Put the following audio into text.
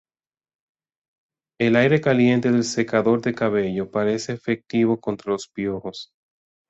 El aire caliente del secador de cabello parece efectivo contra los piojos.